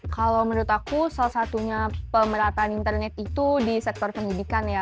kalau menurut aku salah satunya pemerataan internet itu di sektor pendidikan ya